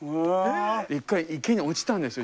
一回池に落ちたんですよ